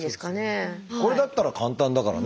これだったら簡単だからね。